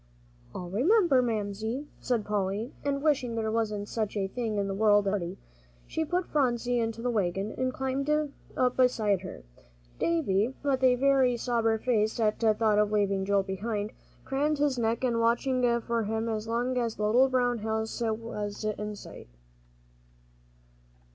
"I'll remember, Mamsie," said Polly, and wishing there wasn't such a thing in the world as a party, she put Phronsie into the wagon, and climbed up beside her. Davie, with a very sober face at thought of leaving Joel behind, craned his neck and watched for him as long as the little brown house was in sight.